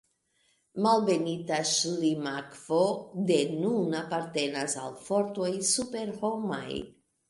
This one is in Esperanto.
Malbenita Ŝlimakvo de nun apartenas al fortoj superhomaj.